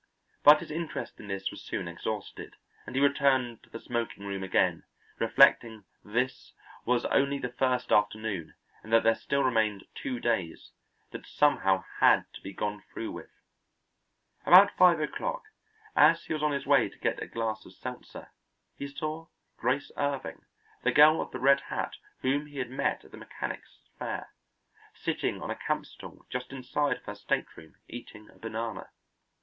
But his interest in this was soon exhausted, and he returned to the smoking room again, reflecting that this was only the first afternoon and that there still remained two days that somehow had to be gone through with. About five o'clock, as he was on his way to get a glass of seltzer, he saw Grace Irving, the girl of the red hat whom he had met at the Mechanics' Fair, sitting on a camp stool just inside of her stateroom eating a banana.